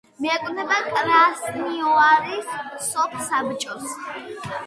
მიეკუთვნება კრასნოიარის სოფსაბჭოს.